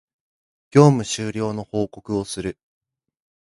業務終了の報告をする